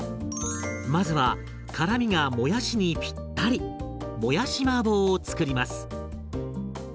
まずは辛みがもやしにぴったりもやしマーボーを作ります。